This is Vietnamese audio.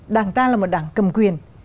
đảng ta là một đảng cầm quyền